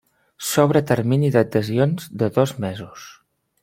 S'obre termini d'adhesions de dos mesos.